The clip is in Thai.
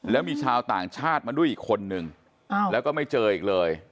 แล้วมีชาวต่างชาติมาด้วยอีกคนนึงแล้วก็ไม่เจออีกเลย